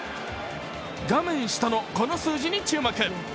画面下のこの数字に注目。